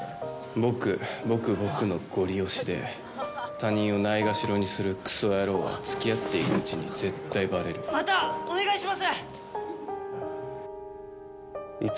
僕僕僕のごり押しで他人をないがしろにするクソ野郎はつきあっていくうちに絶対バレるまたお願いします！